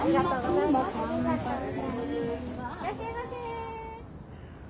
いらっしゃいませ！